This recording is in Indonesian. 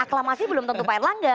aklamasi belum tentu pak erlangga